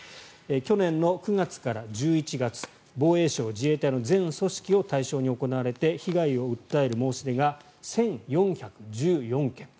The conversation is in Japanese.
去年９月から１１月防衛省、自衛隊の全組織を対象に行われて被害を訴える申し出が１４１４件。